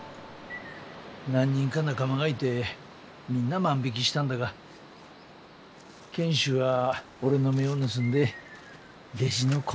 何人か仲間がいてみんな万引きしたんだが賢秀は俺の目を盗んでレジの小銭を。